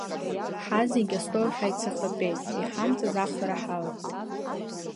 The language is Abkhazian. Ҳазегь астол ҳаицахатәеит, иҳамҵаз афара ҳалагеит.